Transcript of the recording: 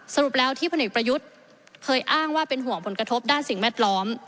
สรุปแล้วที่พลเอกประยุทธ์เคยอ้างว่าเป็นห่วงผลกระทบด้านสิ่งแวดล้อม